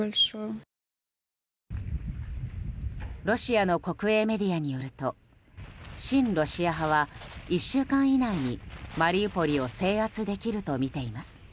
ロシアの国営メディアによると親ロシア派は１週間以内にマリウポリを制圧できるとみています。